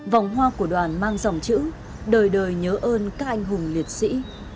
vòng hoa của đoàn mang dòng chữ đời đời nhớ ơn canh hùng liệt sĩ